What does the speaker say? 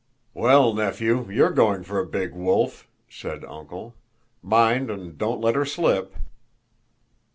"Well, nephew, you're going for a big wolf," said "Uncle." "Mind and don't let her slip!"